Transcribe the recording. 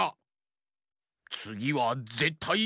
つぎはぜったい。